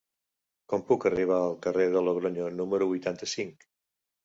Com puc arribar al carrer de Logronyo número vuitanta-cinc?